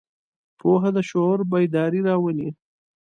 پوهه د شعور بیداري راولي.